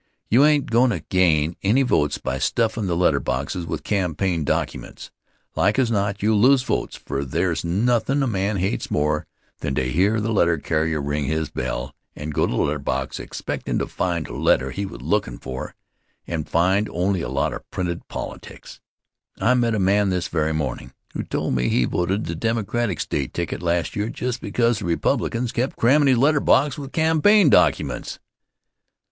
You ain't goin' to gain any votes by stuffin' the letter boxes with campaign documents. Like as not you'll lose votes for there's nothin' a man hates more than to hear the letter carrier ring his bell and go to the letter box ex pectin' to find a letter he was lookin' for, and find only a lot of printed politics. I met a man this very mornin' who told me he voted the Democratic State ticket last year just because the Republicans kept crammin' his letter box with campaign documents.